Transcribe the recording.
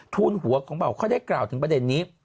ทูลหัวของเบาเขาได้กล่าวถึงประเด็นนี้